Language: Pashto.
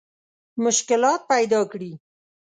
مشکلات پیدا کړي.